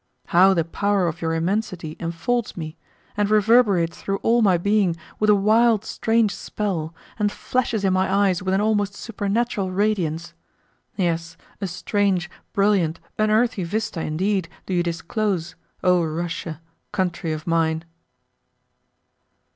How the power of your immensity enfolds me, and reverberates through all my being with a wild, strange spell, and flashes in my eyes with an almost supernatural radiance! Yes, a strange, brilliant, unearthly vista indeed do you disclose, O Russia, country of mine!